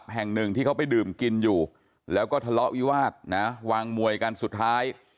แห่งหนึ่งที่เขาไปดื่มกินอยู่แล้วก็ทะเลาะวิวาสนะวางมวยกันสุดท้าย